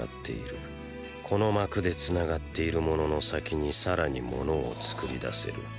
この膜で繋がっている物の先にさらに物を作り出せる。